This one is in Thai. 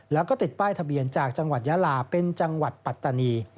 แล้วก็ติดป้ายทะเบียนจากจังหวัดยาลาเป็นจังหวัดปัตตานี